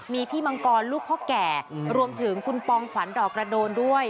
มีพี่มังกรลูกพ่อแก่รวมถึงคุณปองขวัญดอกกระโดนด้วย